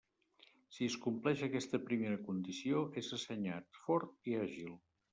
Si es compleix aquesta primera condició, és assenyat, fort i àgil.